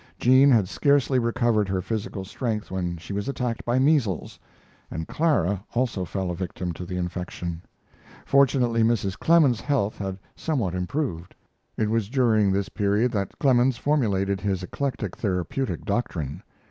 Jean had scarcely recovered her physical strength when she was attacked by measles, and Clara also fell a victim to the infection. Fortunately Mrs. Clemens's health had somewhat improved. It was during this period that Clemens formulated his eclectic therapeutic doctrine.